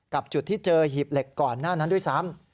จุดที่เจอหีบเหล็กก่อนหน้านั้นด้วยซ้ำ